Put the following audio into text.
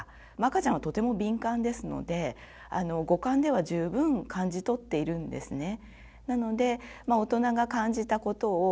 赤ちゃんはとても敏感ですので五感では十分感じ取っているんですね。